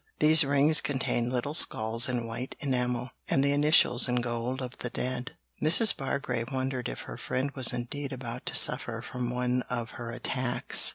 These rings contained little skulls in white enamel, and the initials in gold of the dead. Mrs. Bargrave wondered if her friend was indeed about to suffer from one of her attacks.